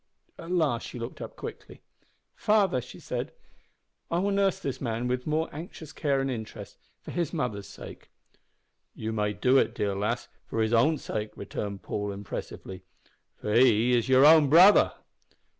At last she looked up quickly. "Father," she said, "I will nurse this man with more anxious care and interest, for his mother's sake." "You may do it, dear lass, for his own sake," returned Paul, impressively, "for he is your own brother."